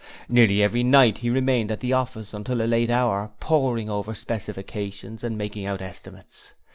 Nearly every night he remained at the office until a late hour, poring over specifications and making out estimates.